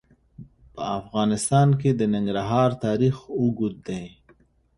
په افغانستان کې د ننګرهار تاریخ اوږد دی.